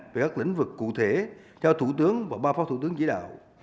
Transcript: về các lĩnh vực cụ thể cho thủ tướng và ba phó thủ tướng chỉ đạo